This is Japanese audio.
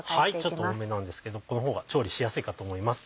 ちょっと多めなんですけどこの方が調理しやすいかと思います。